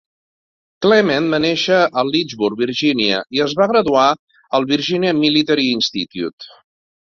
Clement va néixer a Lynchburg, Virgínia, i es va graduar al Virginia Military Institute.